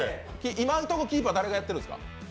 今のところキーパー誰がやってるんですか？